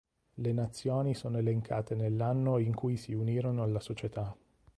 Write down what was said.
Le nazioni sono elencate nell'anno in cui si unirono alla Società.